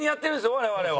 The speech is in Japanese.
我々は。